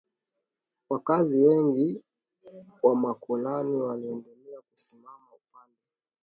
Wakazi wengi wa makoloni walioendelea kusimama upande